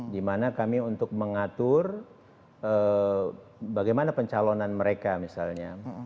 di mana kami untuk mengatur bagaimana pencalonan mereka misalnya